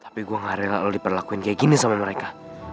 tapi gue gak kalau diperlakuin kayak gini sama mereka